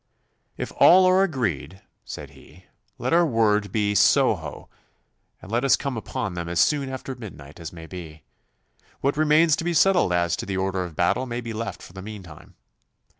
'If all are agreed,' said he, 'let our word be "Soho," and let us come upon them as soon after midnight as may be. What remains to be settled as to the order of battle may be left for the meantime.